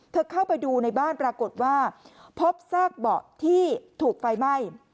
เข้าไปดูในบ้านปรากฏว่าพบซากเบาะที่ถูกไฟไหม้